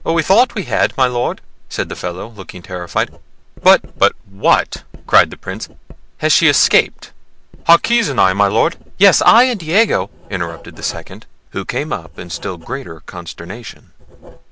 "We thought we had, my Lord," said the fellow, looking terrified, "but—" "But, what?" cried the Prince; "has she escaped?" "Jaquez and I, my Lord—" "Yes, I and Diego," interrupted the second, who came up in still greater consternation.